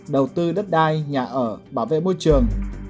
đầu tư đất đai nhà ở bảo vệ môi trường